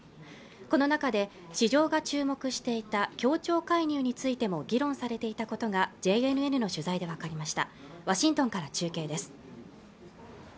この中で市場が注目していた協調介入についても議論されていたことがＪＮＮの取材で分かりましたワシントンから中継です